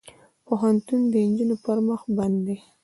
پوهنتون د نجونو پر مخ بند دی.